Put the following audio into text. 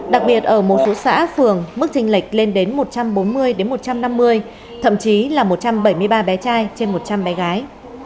đặc biệt ở một số xã phường mức tranh lệch lên đến một trăm bốn mươi một trăm năm mươi thậm chí là một trăm bảy mươi ba bé trai trên một trăm linh bé gái